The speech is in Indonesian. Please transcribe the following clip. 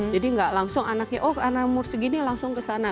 jadi gak langsung anaknya oh anak umur segini langsung kesana